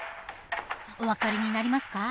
お分かりになりますか？